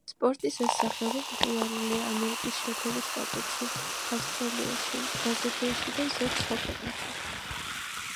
სპორტის ეს სახეობა პოპულარულია ამერიკის შეერთებულ შტატებში, ავსტრალიაში, ბრაზილიაში და ზოგ სხვა ქვეყანაში.